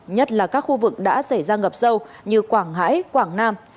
nhất là các khu vực đã xảy ra ngập sâu như quảng ngãi quảng nam